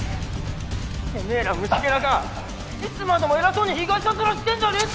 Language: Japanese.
てめえら虫けらがいつまでも偉そうに被害者面してんじゃねえぞ！